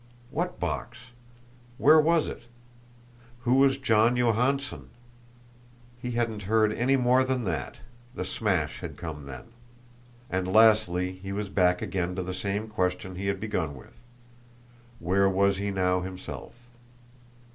What box? Where was it? Who was John Johansson? He hadn't heard any more than that; the smash had come then. And lastly, he was back again to the same question he had begun with: Where was he now himself?